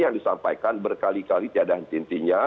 yang disampaikan berkali kali tiada intinya